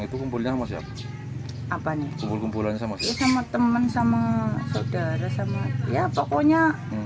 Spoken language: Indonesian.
itu kumpulnya sama siapa apa nih kumpul kumpulan sama saya sama teman sama saudara sama ya pokoknya